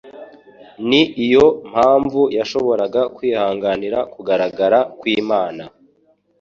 ni yo mpamvu yashoboraga kwihanganira kugaragara kw'Imana.